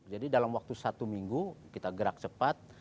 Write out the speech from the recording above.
jadi dalam waktu satu minggu kita gerak cepat